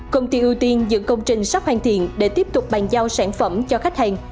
công ty ưu tiên giữ công trình sắp hoàn thiện để tiếp tục bàn giao sản phẩm cho khách hàng